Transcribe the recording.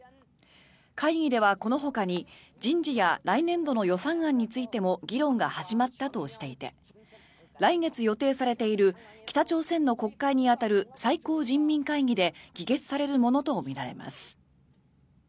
会議では、このほかに人事や来年度の予算案についても議論が始まったとしていて来月予定されている北朝鮮の国会に当たる最高人民会議で議決されるものとみられます。